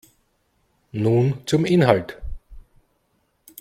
Nun zum Inhalt.